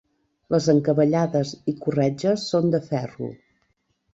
Les encavallades i corretges són de ferro.